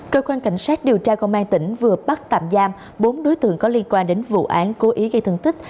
cơ quan cảnh sát điều tra công an tỉnh vừa bắt tạm giam bốn đối tượng có liên quan đến vụ án cố ý gây thân tích